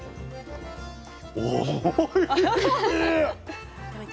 おいしい！